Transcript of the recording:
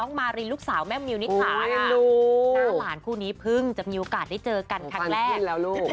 น้าหลานคู่นี้เพิ่งจะมีโอกาสได้เจอกันครั้งแรก